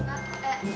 gua berangkat dulu